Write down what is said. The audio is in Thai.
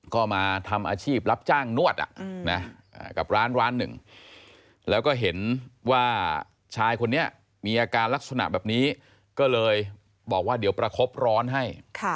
ก็มาทำอาชีพรับจ้างนวดกับร้านร้านหนึ่งแล้วก็เห็นว่าชายคนนี้มีอาการลักษณะแบบนี้ก็เลยบอกว่าเดี๋ยวประคบร้อนให้